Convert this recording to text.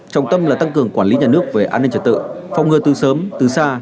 trọng tâm là tăng cường quản lý nhà nước về an ninh trật tự phòng ngừa từ sớm từ xa